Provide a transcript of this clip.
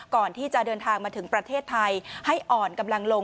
ก่อนที่จะเดินทางมาถึงประเทศไทยให้อ่อนกำลังลง